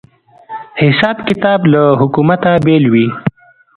حساب کتاب له حکومته بېل وي